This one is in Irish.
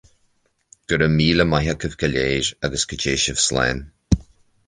Go raibh míle maith agaibh go léir, agus go dté sibh slán